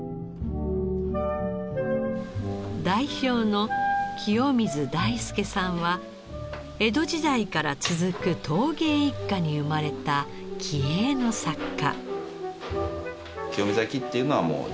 代表の清水大介さんは江戸時代から続く陶芸一家に生まれた気鋭の作家。